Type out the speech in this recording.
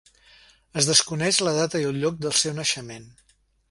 Es desconeix la data i el lloc del seu naixement.